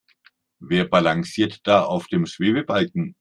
Wer balanciert da auf dem Schwebebalken?